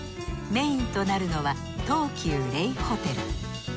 メインとなるのは東急ＲＥＩホテル。